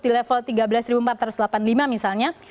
di level tiga belas empat ratus delapan puluh lima misalnya